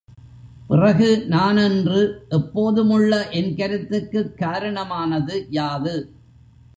பிறகு, நான் என்று எப்போதுமுள்ள என் கருத்துக்குக் காரணமானது யாது?